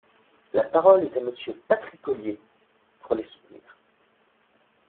La parole est à Monsieur Patrick Ollier, pour les soutenir.